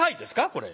これ。